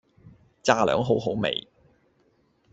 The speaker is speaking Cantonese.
炸両好好味